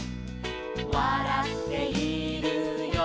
「わらっているよ」